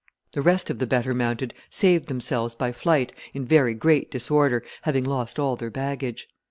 The rest of the better mounted saved themselves by flight, in very great disorder, having lost all their baggage.